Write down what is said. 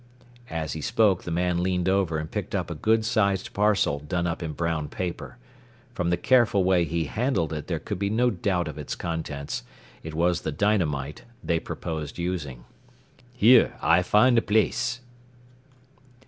As he spoke the man leaned over and picked up a good sized parcel done up in brown paper. From the careful way he handled it there could be no doubt of its contents. It was the dynamite they proposed using. "Here, I fin' da place."